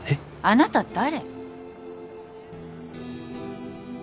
あなた誰？